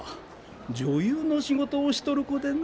女優の仕事をしとる子での。